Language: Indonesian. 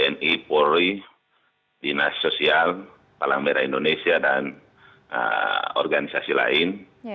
ini adalah pimpinan tni polri dinas sosial palang merah indonesia dan organisasi lain